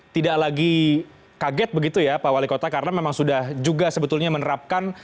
tidak lagi kaget begitu ya pak wali kota karena memang sudah juga sebetulnya menerapkan